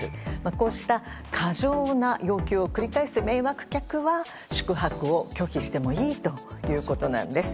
こうした過剰な要求を繰り返す迷惑客は宿泊を拒否してもいいということです。